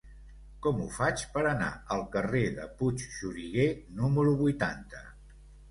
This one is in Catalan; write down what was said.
Com ho faig per anar al carrer de Puigxuriguer número vuitanta?